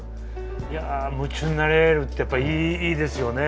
いや夢中になれるってやっぱりいいですよね。